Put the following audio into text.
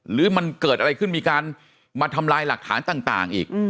หรือมันเกิดอะไรขึ้นมีการมาทำลายหลักฐานต่างอีก